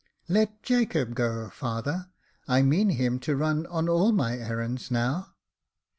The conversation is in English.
" Let Jacob go, father. I mean him to run on all my errands now."